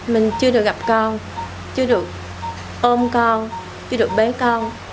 mình chưa được gặp con chưa được ôm con chưa được bé con